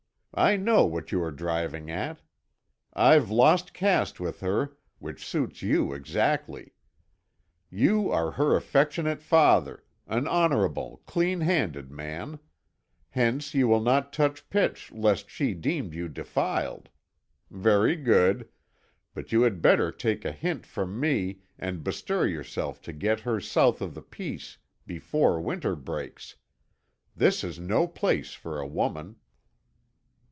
I know what you are driving at. I've lost caste with her, which suits you exactly. You are her affectionate father, an honorable, clean handed man. Hence you will not touch pitch lest she deem you defiled. Very good. But you had better take a hint from me and bestir yourself to get her south of the Peace before winter breaks. This is no place for a woman."